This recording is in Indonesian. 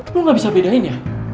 gue gak bisa bedain ya